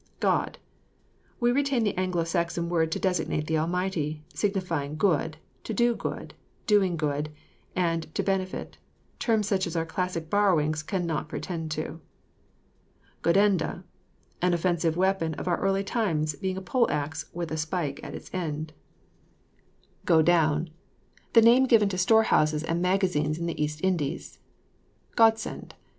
GOD. We retain the Anglo Saxon word to designate the ALMIGHTY; signifying good, to do good, doing good, and to benefit; terms such as our classic borrowings cannot pretend to. GODENDA. An offensive weapon of our early times, being a poleaxe with a spike at its end. GO DOWN. The name given to store houses and magazines in the East Indies. GODSEND.